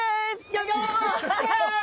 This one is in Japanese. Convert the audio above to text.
ギョギョッ！